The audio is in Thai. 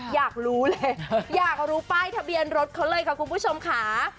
อยากรู้เลยอยากรู้ป้ายทะเบียนรถเขาเลยค่ะคุณผู้ชมค่ะ